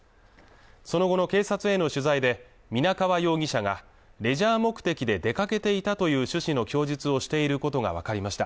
その後の警察への取材で皆川容疑者がレジャー目的で出かけていたという趣旨の供述をしていることが分かりました